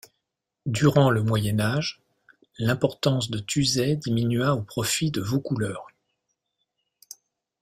Durant le Moyen Âge, l'importance de Tusey diminua au profit de Vaucouleurs.